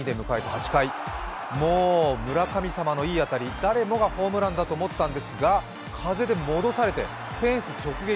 ８回もう村神様のいい当たり、誰もがホームランだと思ったんですが風で戻されて、フェンス直撃。